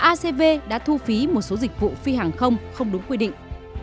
acv đã thu phí một số dịch vụ phi hàng không không đúng quy định